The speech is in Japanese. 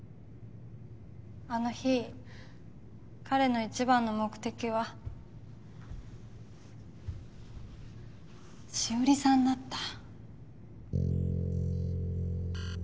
あの日彼の一番の目的は紫織さんだった。